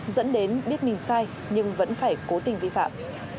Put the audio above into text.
dẫn đến biết mình sai nhưng vẫn phải cố tình vi phạm